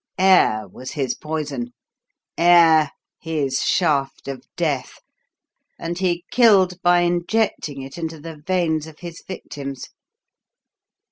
Air was his poison air his shaft of death; and he killed by injecting it into the veins of his victims.